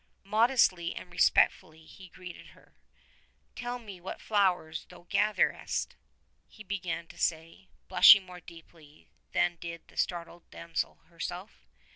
Modestly and respectfully he greeted her. 'Tell me what flowers thou gatherest?" he began to say, blushing more deeply than did the startled damsel herself.